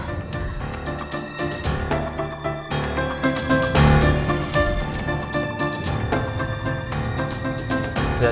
jangan sampai ketauan